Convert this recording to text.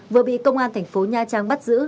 vừa bị công an thành phố nha trang bắt giữ